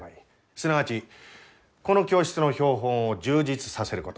すなわちこの教室の標本を充実させること。